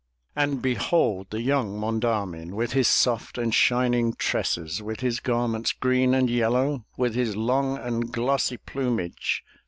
And behold! the young Monda'min, With his soft and shining tresses. With his garments green and yellow, With his long and glossy plumage.